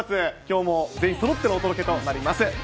きょうも全員そろってのお届けとなります。